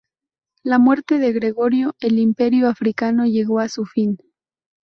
Con la muerte de Gregorio, el Imperio africano llegó a su fin.